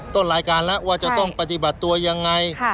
ต้นรายการแล้วว่าจะต้องปฏิบัติตัวยังไง